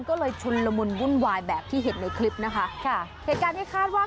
ก็เลยชุนละมุนวุ่นวายแบบที่เห็นในคลิปนะคะค่ะเหตุการณ์ที่คาดว่า